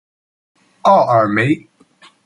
奥尔梅。